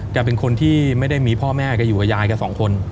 เป็นคนที่ไม่ได้มีพ่อแม่แกอยู่กับยายแกสองคน